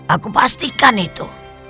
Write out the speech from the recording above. aku pastikan itu